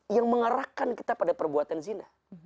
yang mengarahkan kita pada perbuatan zina